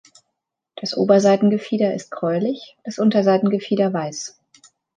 Das Oberseitengefieder ist gräulich, das Unterseitengefieder weiß.